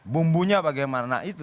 bumbunya bagaimana itu